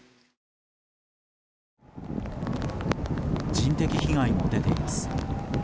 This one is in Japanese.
人的被害も出ています。